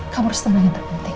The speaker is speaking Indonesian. kamu harus tenang yang terpenting